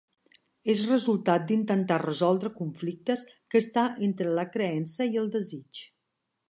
És resultat d'intentar resoldre conflictes que està entre la creença i el desig.